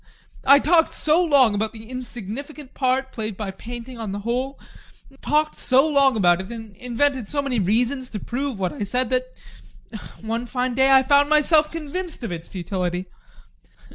I talked so long about the insignificant part played by painting on the whole talked so long about it, and invented so many reasons to prove what I said, that one fine day I found myself convinced of its futility.